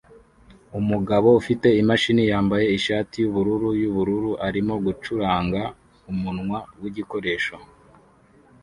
Umugabo ufite imashini yambaye ishati yubururu yubururu arimo gucuranga umunwa wigikoresho